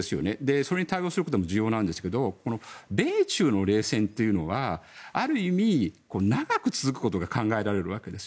それに対応することも重要なんですが米中の冷戦というのはある意味、長く続くことが考えられるわけです。